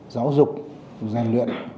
giáo dục giàn luyện